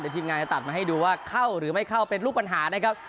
ทีมงานจะตัดมาให้ดูว่าเข้าหรือไม่เข้าเป็นลูกปัญหานะครับ